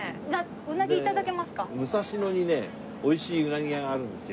武蔵野にね美味しいうなぎ屋があるんですよ。